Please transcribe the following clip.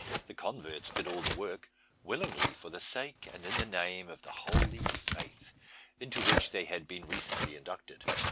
The converts did all the work, willingly, for the sake and in the name of the "Holy Faith," into which they had been recently inducted.